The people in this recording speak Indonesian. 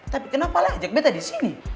tapi kenapa lo ajak betta disini